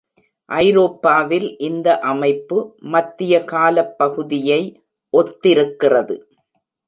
ஐரோப்பாவில் இந்த அமைப்பு மத்திய காலப்பகுதியை ஒத்திருக்கிறது.